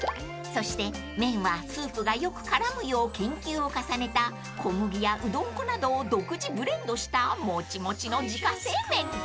［そして麺はスープがよく絡むよう研究を重ねた小麦やうどん粉などを独自ブレンドしたもちもちの自家製麺］